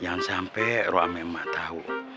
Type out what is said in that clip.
jangan sampe rok amema tau